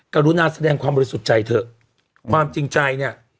กรุณาแสดงความบริสุทธิ์ใจเถอะความจริงใจเนี่ย